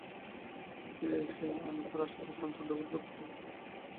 তিনি ফিরে এসে আলেপ্পোর আশেপাশের অঞ্চল দখল করতে থাকেন।